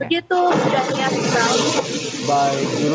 begitu sudah menyelesaikan